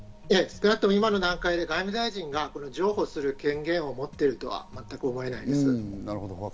少なくとも今の段階では外務大臣が譲歩する権限を持っているとは全く思えないです。